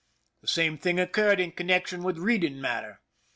The same thing occurred in connection with reading matter.